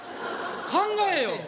考えよ。